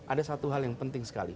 ada satu hal yang penting sekali